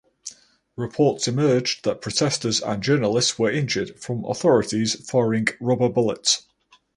Reports emerged that protesters and journalists were injured from authorities firing rubber bullets.